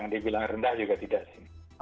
dibilang rendah juga tidak sih